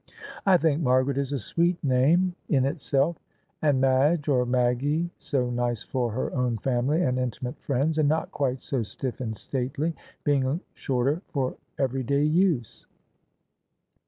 I think Margaret is a sweet name in itself, and Madge or Maggie so nice for her own family and intimate friends, and not quite so sti£E and stately, being shorter for everyday use."